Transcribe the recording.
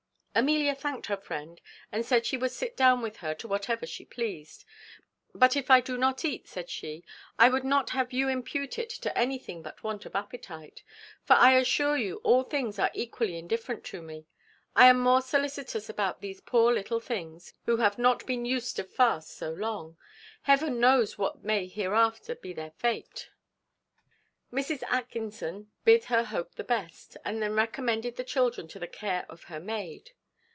Amelia thanked her friend, and said she would sit down with her to whatever she pleased; "but if I do not eat," said she, "I would not have you impute it to anything but want of appetite; for I assure you all things are equally indifferent to me. I am more solicitous about these poor little things, who have not been used to fast so long. Heaven knows what may hereafter be their fate!" Mrs. Atkinson bid her hope the best, and then recommended the children to the care of her maid.